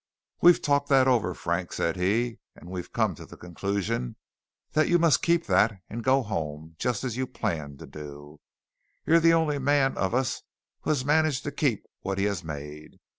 "We've talked that over, Frank," said he, "and we've come to the conclusion that you must keep that and go home, just as you planned to do. You're the only man of us who has managed to keep what he has made.